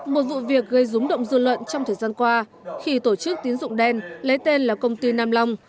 một vụ việc gây rúng động dư luận trong thời gian qua khi tổ chức tín dụng đen lấy tên là công ty nam long